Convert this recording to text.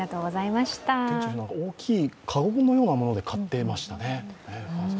現地の方、大きい籠のようなもので買っていましたね。